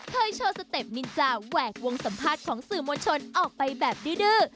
โชว์สเต็ปนินจาแหวกวงสัมภาษณ์ของสื่อมวลชนออกไปแบบดื้อ